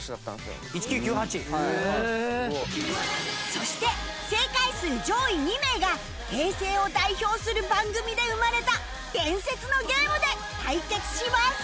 そして正解数上位２名が平成を代表する番組で生まれた伝説のゲームで対決します